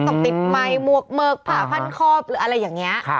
ต่อปิดใหม่มวกเมิกผ่าพันธุ์คอบอะไรอย่างนี้